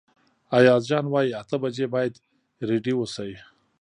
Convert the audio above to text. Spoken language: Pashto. ایاز جان وايي اته بجې باید رېډي اوسئ.